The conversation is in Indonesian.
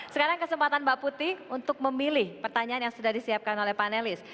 sekarang kesempatan mbak putih untuk memilih pertanyaan yang sudah disiapkan oleh panelis